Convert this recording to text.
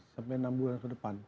sampai enam bulan ke depan